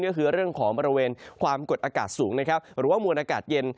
ก็คือเรื่องของบริเวณความกดอากาศสูงนะครับหรือว่ามวลอากาศเย็น